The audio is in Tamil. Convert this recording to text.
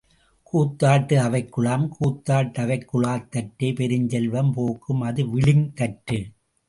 கூத்தாட்டு அவைக்குழாம் கூத்தாட் டவைக்குழாத் தற்றே பெருஞ்செல்வம் போக்கும் அதுவிளிங் தற்று.